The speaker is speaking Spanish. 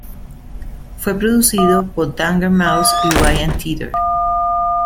Fue producido por Danger Mouse y Ryan Tedder.